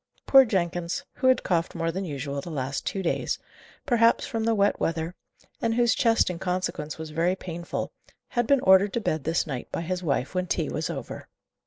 Poor Jenkins, who had coughed more than usual the last two days, perhaps from the wet weather, and whose chest in consequence was very painful, had been ordered to bed this night by his wife when tea was over.